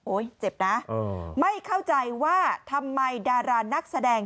เจ็บนะไม่เข้าใจว่าทำไมดารานักแสดง